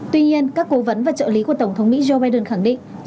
tuy nhiên các cố vấn và trợ lý của tổng thống mỹ joe biden khẳng định